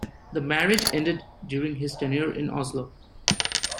The marriage ended during his tenure in Oslo.